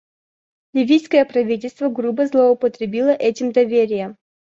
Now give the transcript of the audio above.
Ливийское правительство грубо злоупотребило этим доверием.